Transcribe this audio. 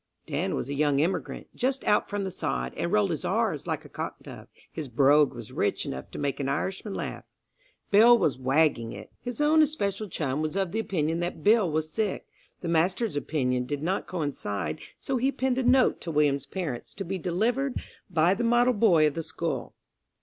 Dan was a young immigrant, just out from the sod, and rolled his "r's" like a cock dove. His brogue was rich enough to make an Irishman laugh. Bill was "wagging it." His own especial chum was of the opinion that Bill was sick. The master's opinion did not coincide, so he penned a note to William's parents, to be delivered by the model boy of the school.